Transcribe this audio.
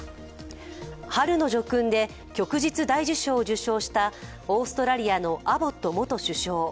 春の叙勲で旭日大綬章を受章したオーストラリアのアボット元首相。